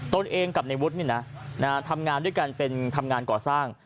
เองกับในวุฒิทำงานด้วยกันเป็นทำงานก่อสร้าง